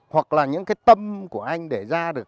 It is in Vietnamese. hoặc là những cái tâm của anh để ra được